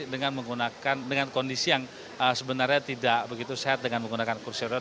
dengan kondisi yang sebenarnya tidak begitu sehat dengan menggunakan kursi udara